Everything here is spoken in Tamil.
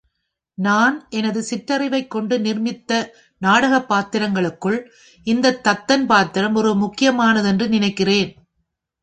நான் எனது சிற்றறிவைக் கொண்டு நிர்மித்த நாடகப் பாத்திரங்களுக்குள் இந்தத் தத்தன் பாத்திரம் ஒரு முக்கியமானது என்று நினைக்கிறேன்.